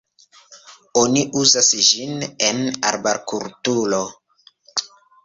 Oni uzas ĝin en arbar-kulturo.